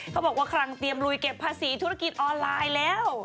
เขาบอกว่าครั้งเตรียมลุยเก็บภาษีธุรกิจออนไลน์แล้ว